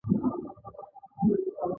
ایا زه درمل راوړم؟